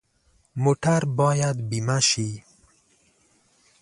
موټر باید بیمه شي.